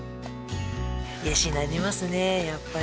癒やしになりますね、やっぱり。